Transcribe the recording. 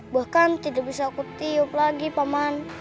bahkan tidak bisa aku tiup lagi pak man